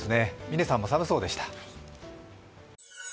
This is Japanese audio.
嶺さんも寒そうでした。